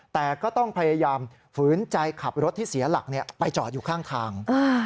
แต่ก็ต้องพยายามฝืนใจขับรถที่เสียหลักไปจอดอยู่ข้างทาง